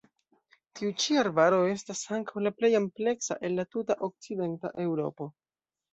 Tiu ĉi arbaro estas ankaŭ la plej ampleksa el la tuta okcidenta Eŭropo.